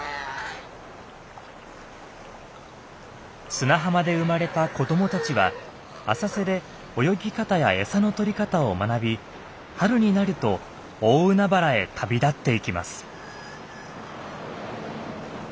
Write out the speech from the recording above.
砂浜で生まれた子どもたちは浅瀬で泳ぎ方や餌の取り方を学び春になると大海原へ旅立っていきます。